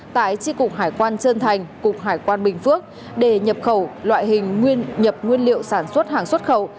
tại tri cục hải quan trân thành cục hải quan bình phước để nhập khẩu loại hình nguyên nhập nguyên liệu sản xuất hàng xuất khẩu